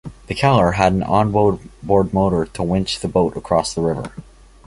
The "Keller" had an on-board motor to winch the boat across the river.